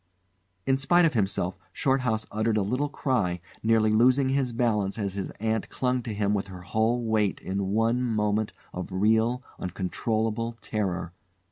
In spite of himself, Shorthouse uttered a little cry, nearly losing his balance as his aunt clung to him with her whole weight in one moment of real, uncontrollable terror.